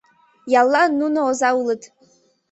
Яллан нуно оза улыт.